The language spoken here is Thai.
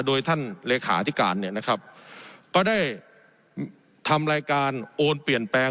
โดยท่านเลขาธิการเนี่ยนะครับก็ได้ทำรายการโอนเปลี่ยนแปลง